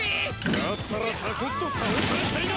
だったらサクッと倒されちゃいな！